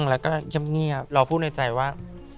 แล้วก็เยี่ยมเงียบรอผู้ในใจว่า